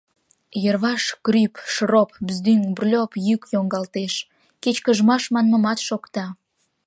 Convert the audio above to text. Йырваш крӱп, шроп, бздӱҥ, брльоп йӱк йоҥгалтеш, кечкыжмаш манмымат шокта.